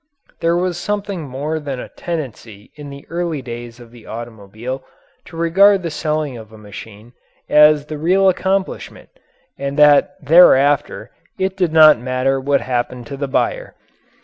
There was something more than a tendency in the early days of the automobile to regard the selling of a machine as the real accomplishment and that thereafter it did not matter what happened to the buyer.